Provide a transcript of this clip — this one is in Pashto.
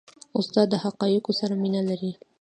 استاد د حقایقو سره مینه لري.